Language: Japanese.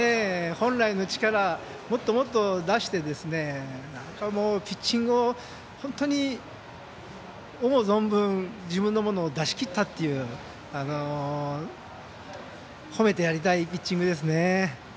本来の力をもっともっと出してピッチングを、思う存分自分のものを出し切ったという褒めてやりたいピッチングです。